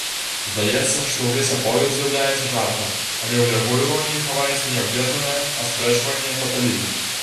Здаецца, што ўвесь аповед з'яўляецца жартам, але ў яго іроніі хаваецца неабвержнае аспрэчванне фаталізму.